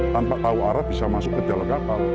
tanpa tahu arah bisa masuk ke dalam kapal